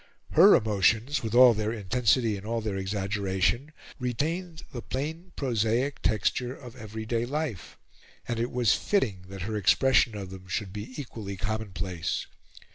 Her emotions, with all their intensity and all their exaggeration, retained the plain prosaic texture of everyday life. And it was fitting that her expression of them should be equally commonplace.